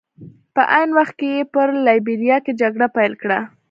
په عین وخت کې یې په لایبیریا کې جګړه پیل کړه.